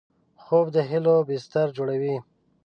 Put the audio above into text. خوب د هیلو بستر جوړوي